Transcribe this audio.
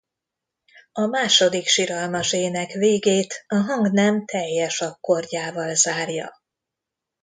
A második siralmas ének végét a hangnem teljes akkordjával zárja.